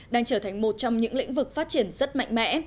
đang trở thành một trong những lĩnh vực phát triển rất mạnh mẽ